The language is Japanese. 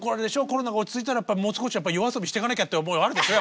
コロナが落ち着いたらもう少しやっぱ夜遊びしてかなきゃって思いはあるでしょ